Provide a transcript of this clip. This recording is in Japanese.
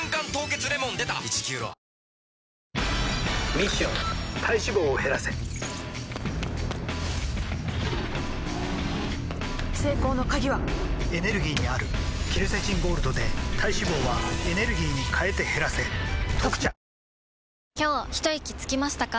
ミッション体脂肪を減らせ成功の鍵はエネルギーにあるケルセチンゴールドで体脂肪はエネルギーに変えて減らせ「特茶」今日ひといきつきましたか？